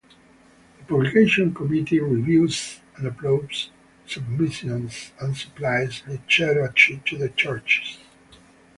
The Publication Committee reviews and approves submissions, and supplies literature to the churches.